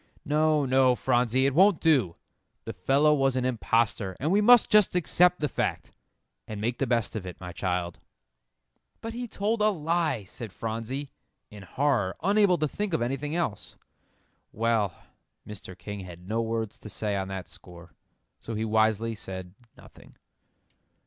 "No, no, Phronsie, it won't do; the fellow was an impostor, and we must just accept the fact, and make the best of it, my child." "But he told a lie," said Phronsie, in horror, unable to think of anything else. "Well." Mr. King had no words to say on that score, so he wisely said nothing.